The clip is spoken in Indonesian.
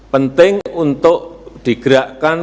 penting untuk digerakkan